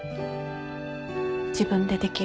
自分でできる。